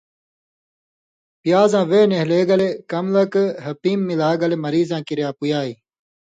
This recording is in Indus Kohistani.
پیازاں وے نھیلہ گلے کم لک ہپیم ملاگلے مریضاں کریا پُویائ۔